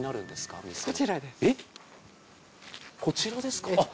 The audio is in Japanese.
こちらですか。